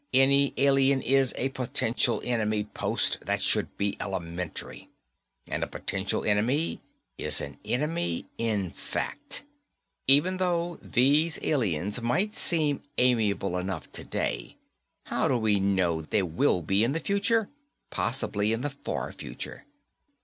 "Any alien is a potential enemy, Post; that should be elementary. And a potential enemy is an enemy in fact. Even though these aliens might seem amiable enough today, how do we know they will be in the future possibly in the far future?